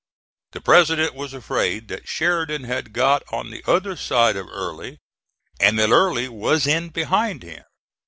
The President was afraid that Sheridan had got on the other side of Early and that Early was in behind him.